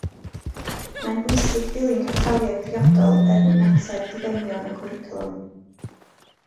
Mae'n bwysig dilyn canllawiau priodol er mwyn ateb dibenion y cwricwlwm